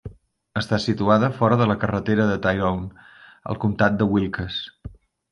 Està situada fora de la carretera de Tyrone, al comtat de Wilkes.